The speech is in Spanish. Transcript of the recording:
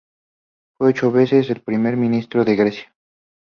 Fue ocho veces el primer ministro de Grecia.